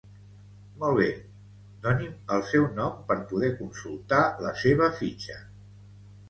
Molt bé, doni'm el seu nom per poder consultar la seva fitxa.